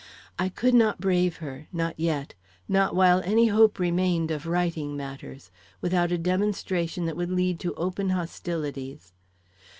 I could not brave her, not yet, not while any hope remained of righting matters, without a demonstration that would lead to open hostilities.